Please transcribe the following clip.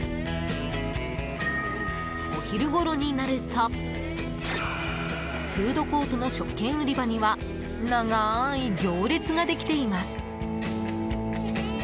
お昼ごろになるとフードコートの食券売り場には長い行列ができています！